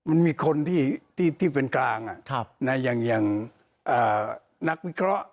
มันมีคนที่ที่ที่เป็นกลางอ่ะครับนะอย่างอย่างอ่านักวิเคราะห์